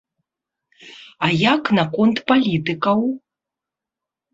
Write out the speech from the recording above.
А як наконт палітыкаў?